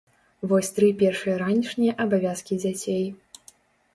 Вось тры першыя ранішнія абавязкі дзяцей.